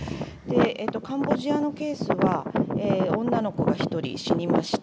カンボジアのケースは女の子が１人死にました。